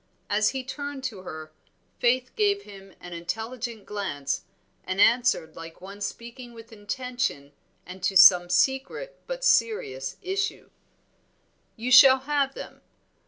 As he turned to her, Faith gave him an intelligent glance, and answered like one speaking with intention and to some secret but serious issue "You shall have them.